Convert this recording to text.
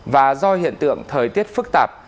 và do hiện tượng thời tiết phức tạp